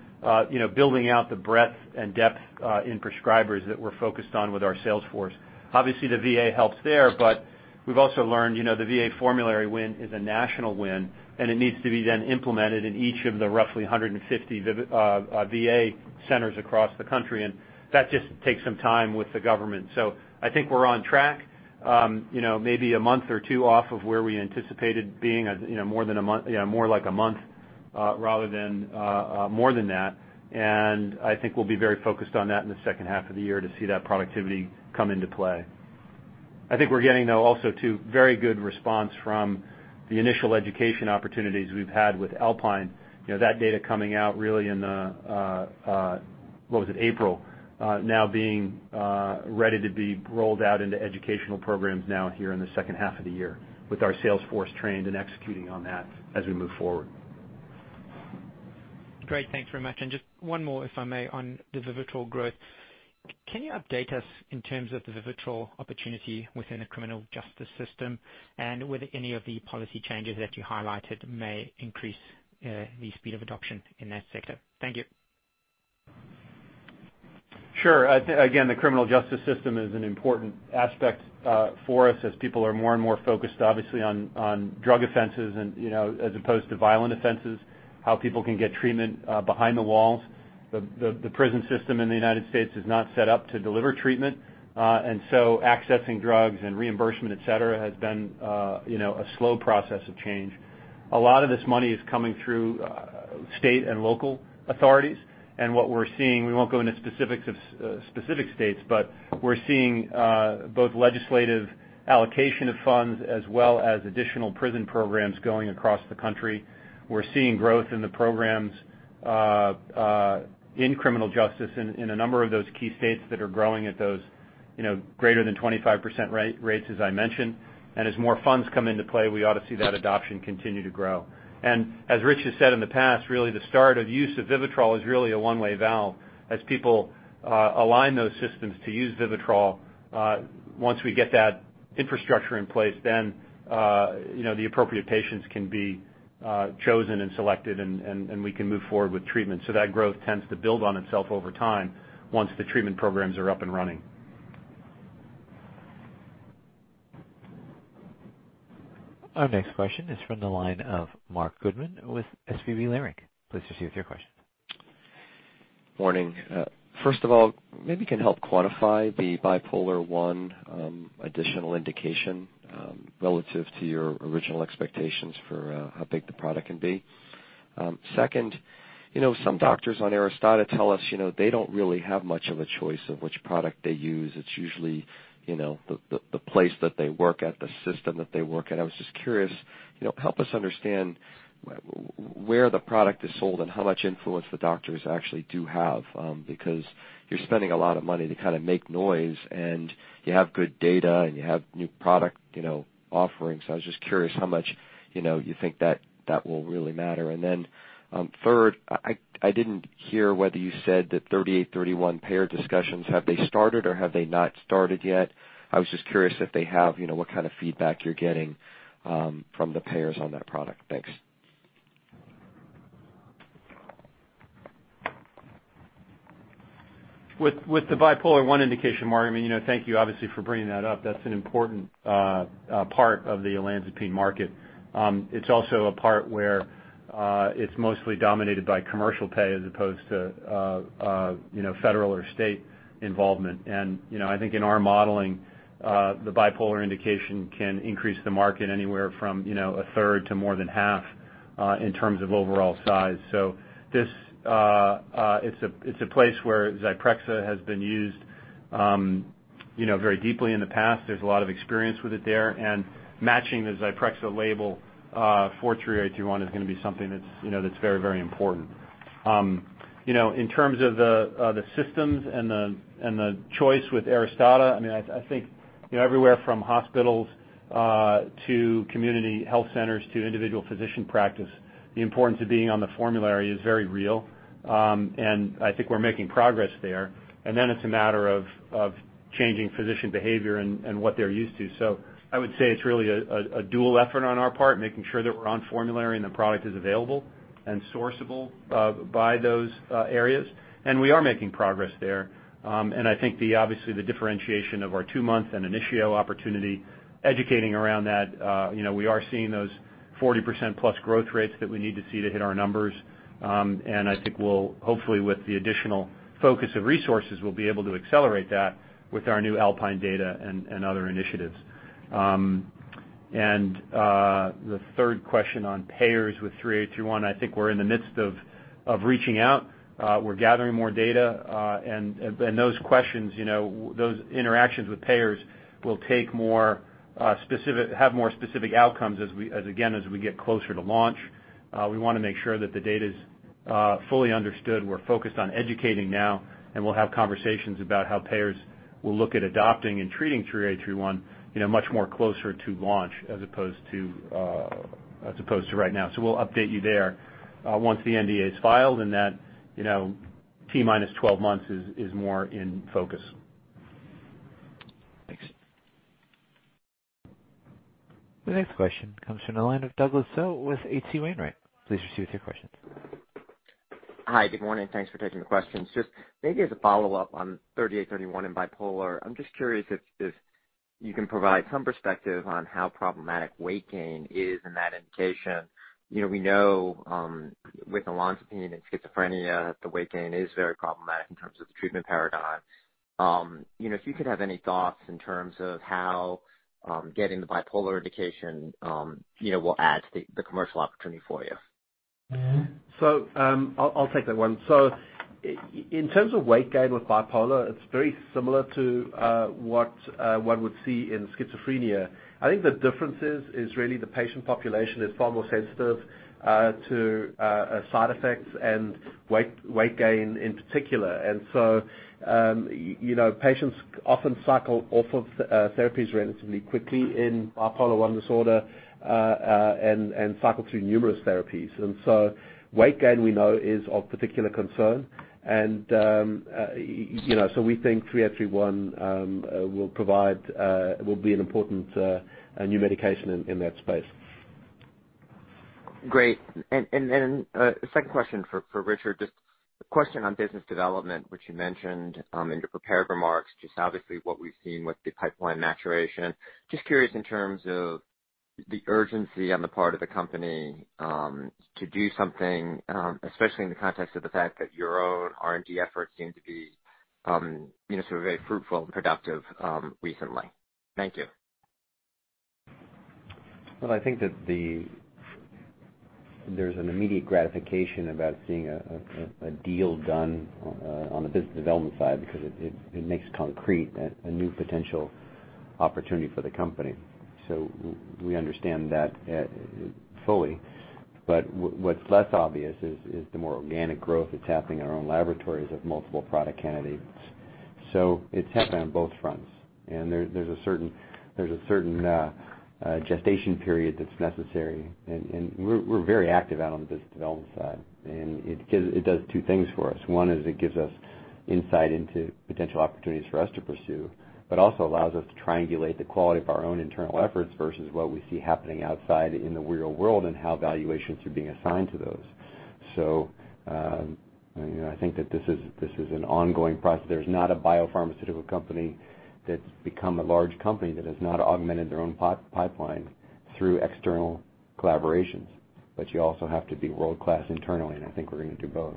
building out the breadth and depth in prescribers that we're focused on with our sales force. The VA helps there, but we've also learned the VA formulary win is a national win, and it needs to be then implemented in each of the roughly 150 VA centers across the country, and that just takes some time with the government. I think we're on track maybe a month or two off of where we anticipated being, more like a month rather than more than that. I think we'll be very focused on that in the second half of the year to see that productivity come into play. I think we're getting, though, also too, very good response from the initial education opportunities we've had with ALPINE. That data coming out really in, what was it, April, now being ready to be rolled out into educational programs now here in the second half of the year with our sales force trained and executing on that as we move forward. Great. Thanks very much. Just one more, if I may, on the VIVITROL growth. Can you update us in terms of the VIVITROL opportunity within the criminal justice system, and whether any of the policy changes that you highlighted may increase the speed of adoption in that sector? Thank you. Sure. The criminal justice system is an important aspect for us as people are more and more focused, obviously, on drug offenses as opposed to violent offenses, how people can get treatment behind the walls. The prison system in the United States is not set up to deliver treatment. Accessing drugs and reimbursement, et cetera, has been a slow process of change. A lot of this money is coming through state and local authorities. What we're seeing, we won't go into specifics of specific states, but we're seeing both legislative allocation of funds as well as additional prison programs going across the country. We're seeing growth in the programs, in criminal justice in a number of those key states that are growing at those greater than 25% rates, as I mentioned. As more funds come into play, we ought to see that adoption continue to grow. As Rich has said in the past, really the start of use of VIVITROL is really a one-way valve. As people align those systems to use VIVITROL, once we get that infrastructure in place, then the appropriate patients can be chosen and selected And we can move forward with treatment. That growth tends to build on itself over time once the treatment programs are up and running. Our next question is from the line of Marc Goodman with SVB Leerink. Please proceed with your questions. Morning. First of all, maybe you can help quantify the bipolar I additional indication relative to your original expectations for how big the product can be. Second, some doctors on ARISTADA tell us they don't really have much of a choice of which product they use. It's usually the place that they work at, the system that they work at. I was just curious, help us understand where the product is sold and how much influence the doctors actually do have because you're spending a lot of money to make noise, and you have good data, and you have new product offerings. I was just curious how much you think that will really matter. Third, I didn't hear whether you said that ALKS 3831 payer discussions, have they started or have they not started yet? I was just curious what kind of feedback you're getting from the payers on that product. Thanks. With the bipolar I indication, Marc, thank you obviously for bringing that up. That's an important part of the olanzapine market. It's also a part where it's mostly dominated by commercial pay as opposed to federal or state involvement. I think in our modeling, the bipolar indication can increase the market anywhere from a third to more than half in terms of overall size. It's a place where ZYPREXA has been used very deeply in the past. There's a lot of experience with it there. Matching the ZYPREXA label for ALKS 3831 is going to be something that's very important. In terms of the systems and the choice with ARISTADA, I think everywhere from hospitals to community health centers to individual physician practice, the importance of being on the formulary is very real. I think we're making progress there. It's a matter of changing physician behavior and what they're used to. I would say it's really a dual effort on our part, making sure that we're on formulary and the product is available and sourceable by those areas. We are making progress there. I think obviously the differentiation of our two-month and Initio opportunity, educating around that, we are seeing those 40%-plus growth rates that we need to see to hit our numbers. I think hopefully with the additional focus of resources, we'll be able to accelerate that with our new ALPINE data and other initiatives. The third question on payers with 3831, I think we're in the midst of reaching out. We're gathering more data, and those interactions with payers will have more specific outcomes as we get closer to launch. We want to make sure that the data's fully understood. We're focused on educating now, and we'll have conversations about how payers will look at adopting and treating ALKS 3831 much more closer to launch as opposed to right now. We'll update you there once the NDA is filed and that T-minus 12 months is more in focus. Thanks. The next question comes from the line of Douglas Tsao with H.C. Wainwright. Please proceed with your questions. Hi, good morning. Thanks for taking the questions. Just maybe as a follow-up on ALKS 3831 and bipolar, I'm just curious if you can provide some perspective on how problematic weight gain is in that indication. We know with olanzapine and schizophrenia that the weight gain is very problematic in terms of the treatment paradigm. If you could have any thoughts in terms of how getting the bipolar indication will add to the commercial opportunity for you. I'll take that one. In terms of weight gain with bipolar, it's very similar to what one would see in schizophrenia. I think the difference is really the patient population is far more sensitive to side effects and weight gain in particular. Patients often cycle off of therapies relatively quickly in bipolar I disorder and cycle through numerous therapies. Weight gain, we know is of particular concern. We think ALKS 3831 will be an important new medication in that space. Great. A second question for Richard. A question on business development, which you mentioned in your prepared remarks. Obviously what we've seen with the pipeline maturation. Curious in terms of the urgency on the part of the company to do something, especially in the context of the fact that your own R&D efforts seem to be very fruitful and productive recently. Thank you. Well, I think that there's an immediate gratification about seeing a deal done on the business development side because it makes concrete a new potential opportunity for the company. We understand that fully. What's less obvious is the more organic growth that's happening in our own laboratories of multiple product candidates. It's happening on both fronts, and there's a certain gestation period that's necessary. We're very active out on the business development side, and it does two things for us. One is it gives us insight into potential opportunities for us to pursue, but also allows us to triangulate the quality of our own internal efforts versus what we see happening outside in the real world and how valuations are being assigned to those. I think that this is an ongoing process. There's not a biopharmaceutical company that's become a large company that has not augmented their own pipeline through external collaborations. You also have to be world-class internally, and I think we're going to do both.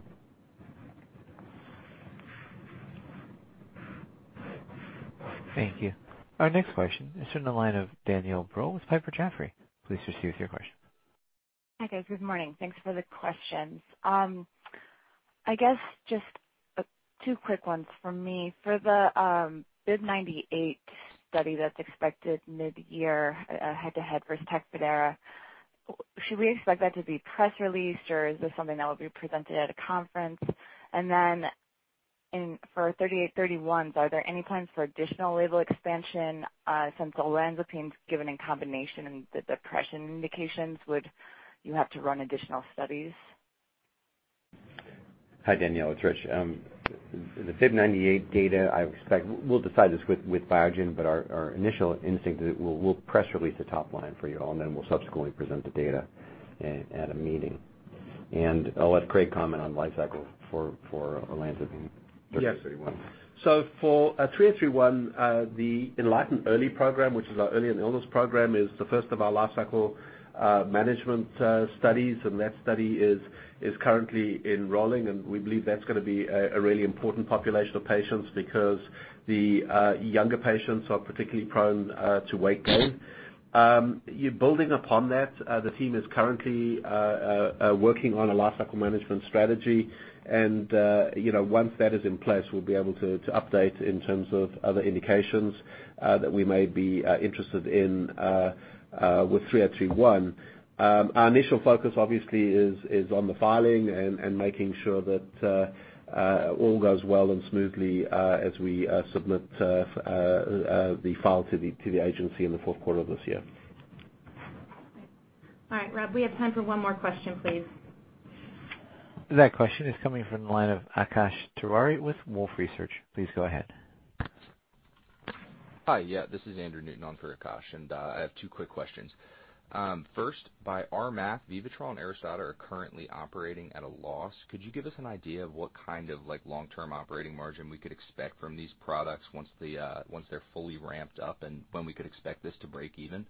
Thank you. Our next question is in the line of Danielle Brill with Piper Jaffray. Please proceed with your question. Hi, guys. Good morning. Thanks for the questions. I guess just two quick ones from me. For the BIIB098 study that's expected mid-year, head-to-head versus TECFIDERA, should we expect that to be press released, or is this something that will be presented at a conference? Then, for ALKS 3831, are there any plans for additional label expansion since olanzapine is given in combination in the depression indications? Would you have to run additional studies? Hi, Danielle, it's Rich. The BIIB098 data, we'll decide this with Biogen, but our initial instinct is we'll press release the top line for you all, and then we'll subsequently present the data at a meeting. I'll let Craig comment on lifecycle for olanzapine, ALKS 3831. Yes. For ALKS 3831, the ENLIGHTEN early program, which is our early in the illness program, is the first of our lifecycle management studies. That study is currently enrolling. We believe that's going to be a really important population of patients because the younger patients are particularly prone to weight gain. Building upon that, the team is currently working on a lifecycle management strategy. Once that is in place, we'll be able to update in terms of other indications that we may be interested in with ALKS 3831. Our initial focus, obviously, is on the filing and making sure that all goes well and smoothly as we submit the file to the agency in the fourth quarter of this year. All right, Rob, we have time for one more question, please. That question is coming from the line of Akash Tewari with Wolfe Research. Please go ahead. Hi. Yeah, this is Andrew Newton on for Akash. I have two quick questions. First, by our math, VIVITROL and ARISTADA are currently operating at a loss. Could you give us an idea of what kind of long-term operating margin we could expect from these products once they're fully ramped up and when we could expect this to break even?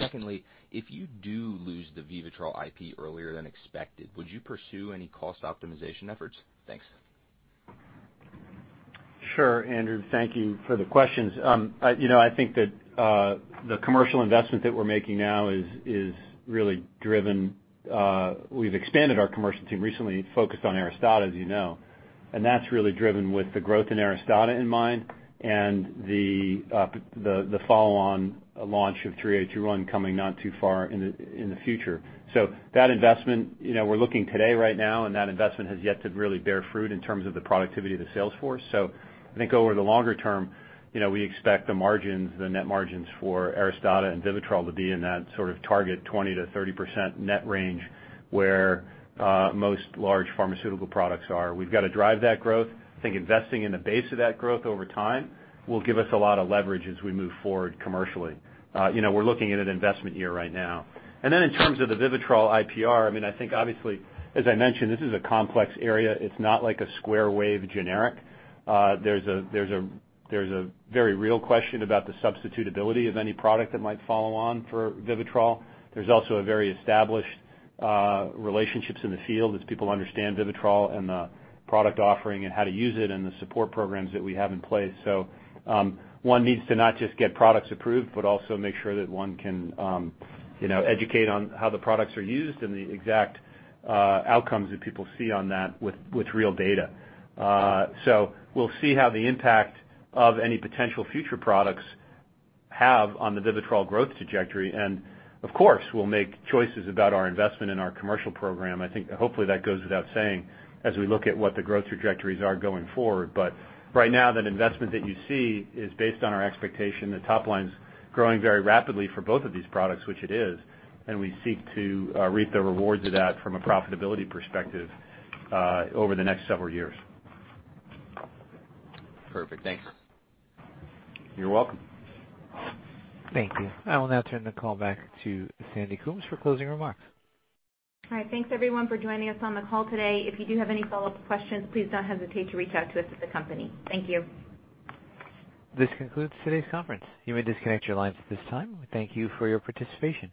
Secondly, if you do lose the VIVITROL IP earlier than expected, would you pursue any cost optimization efforts? Thanks. Sure, Andrew, thank you for the questions. I think that the commercial investment that we're making now is really driven. We've expanded our commercial team recently, focused on ARISTADA, as you know. That's really driven with the growth in ARISTADA in mind and the follow-on launch of ALKS 3831 coming not too far in the future. That investment, we're looking today right now, and that investment has yet to really bear fruit in terms of the productivity of the sales force. I think over the longer term, we expect the margins, the net margins for ARISTADA and VIVITROL to be in that sort of target 20%-30% net range where most large pharmaceutical products are. We've got to drive that growth. I think investing in the base of that growth over time will give us a lot of leverage as we move forward commercially. We're looking at an investment year right now. In terms of the VIVITROL IPR, I think obviously, as I mentioned, this is a complex area. It's not like a square wave generic. There's a very real question about the substitutability of any product that might follow on for VIVITROL. There's also very established relationships in the field as people understand VIVITROL and the product offering and how to use it and the support programs that we have in place. One needs to not just get products approved, but also make sure that one can educate on how the products are used and the exact outcomes that people see on that with real data. We'll see how the impact of any potential future products have on the VIVITROL growth trajectory. Of course, we'll make choices about our investment and our commercial program. I think hopefully that goes without saying as we look at what the growth trajectories are going forward. Right now, that investment that you see is based on our expectation the top line's growing very rapidly for both of these products, which it is, and we seek to reap the rewards of that from a profitability perspective over the next several years. Perfect. Thanks. You're welcome. Thank you. I will now turn the call back to Sandy Coombs for closing remarks. All right. Thanks everyone for joining us on the call today. If you do have any follow-up questions, please don't hesitate to reach out to us at the company. Thank you. This concludes today's conference. You may disconnect your lines at this time. We thank you for your participation.